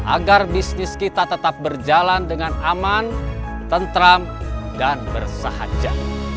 agar bisnis kita tetap berjalan dengan aman tentram dan bersahaja